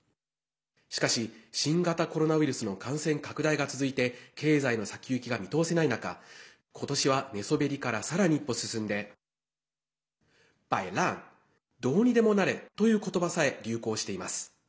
しかし、新型コロナウイルスの感染拡大が続いて経済の先行きが見通せない中今年は寝そべりからさらに一歩進んでバイラン、どうにでもなれという言葉さえ流行しています。